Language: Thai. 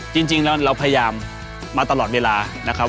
จริงแล้วเราพยายามมาตลอดเวลานะครับ